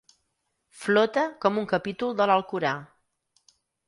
Flota com un capítol de l'Alcorà.